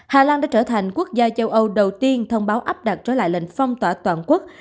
hà lan đã trở thành quốc gia châu âu đầu tiên thông báo áp đặt trở lại lệnh phong tỏa toàn quốc